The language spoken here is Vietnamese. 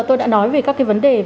thì cần phải chuẩn bị những gì